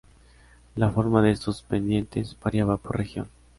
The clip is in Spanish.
La forma de estos pendientes variaba por región.